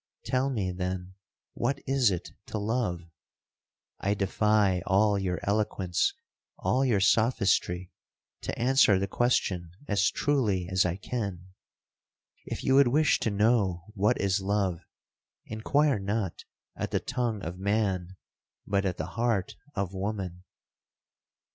Tell me, then, what is it to love? I defy all your eloquence, all your sophistry, to answer the question as truly as I can. If you would wish to know what is love, inquire not at the tongue of man, but at the heart of woman.'